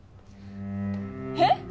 えっ？